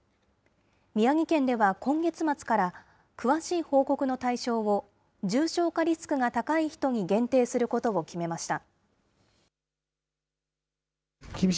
宮城県では今月末から、詳しい報告の対象を、重症化リスクが高い人に限定することを決めました。